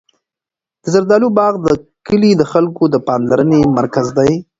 د زردالو باغ د کلي د خلکو د پاملرنې مرکز دی.